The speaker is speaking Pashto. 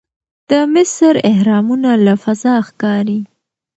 د مصر اهرامونه له فضا ښکاري.